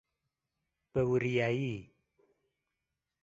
بەوریایی!